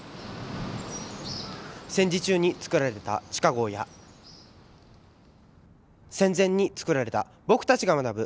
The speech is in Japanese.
戦時中に作られた地下壕や戦前に作られた僕たちが学ぶ